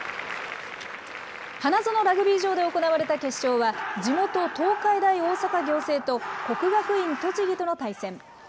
花園ラグビー場で行われた決勝は、地元、東海大大阪仰星と、国学院栃木との対戦。